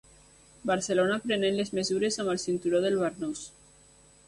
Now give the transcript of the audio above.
Barcelona prenent les mesures amb el cinturó del barnús.